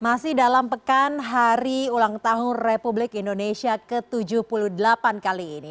masih dalam pekan hari ulang tahun republik indonesia ke tujuh puluh delapan kali ini